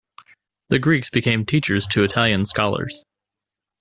The Greeks became teachers to Italian scholars.